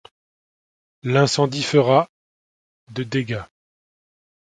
L'incendie fera de dégâts.